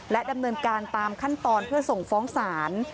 ดำเนินการตามขั้นตอนเพื่อส่งฟ้องศาล